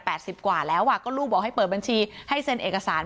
สิบกว่าแล้วอ่ะก็ลูกบอกให้เปิดบัญชีให้เซ็นเอกสาร